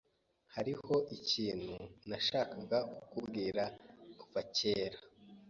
Hariho ikintu nashakaga kukubwira kuva kera.